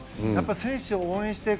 選手を応援してく。